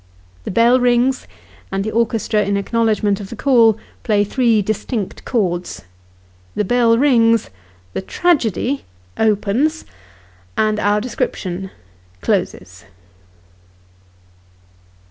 The bell rings, and the orchestra, in acknow ledgement of the call, play three distinct chords. The bell rings the tragedy (!) opens and our description closes.